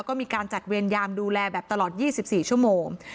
ก็มีการจัดเวรยามดูแลแบบตลอด๒๔ชั่วโมง